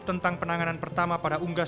tentang penanganan pertama pada unggas